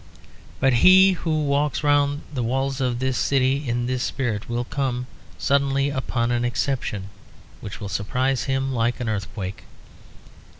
But he who walks round the walls of this city in this spirit will come suddenly upon an exception which will surprise him like an earthquake.